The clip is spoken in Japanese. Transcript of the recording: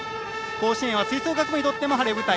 甲子園は吹奏楽部にとっても晴れ舞台。